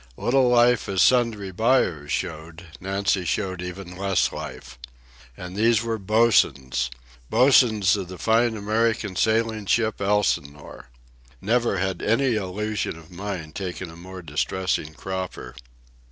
Little life as Sundry Buyers showed, Nancy showed even less life. And these were bosuns!—bosuns of the fine American sailing ship Elsinore! Never had any illusion of mine taken a more distressing cropper.